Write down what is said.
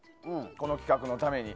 この企画のために。